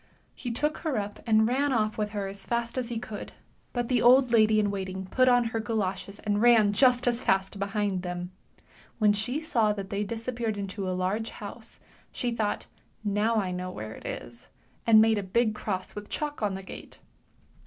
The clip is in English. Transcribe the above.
He took her up and ran off with her as fast as he could, but the old lady in waiting put on her galoshes and ran just as fast behind them; when she saw that they disappeared into a large house, she thought now I know where it is, and made a big cross with chalk on the gate.